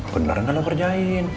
beneran gak lo kerjain